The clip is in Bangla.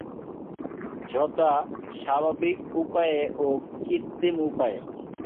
যথাঃ স্বাভাবিক উপায়ে ও কৃত্রিম উপায়ে।